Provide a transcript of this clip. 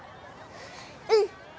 うん。